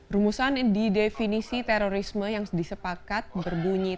rumusan di definisi terorisme yang disepakat berbunyi